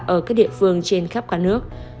ở các địa phương trên khắp cả nước